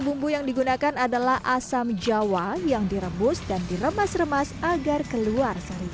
bumbu yang digunakan adalah asam jawa yang direbus dan diremas remas agar keluar seharian